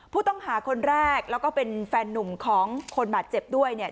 ผู้ต้องหาคนแรกแล้วก็เป็นแฟนนุ่มของคนบาดเจ็บด้วยเนี่ย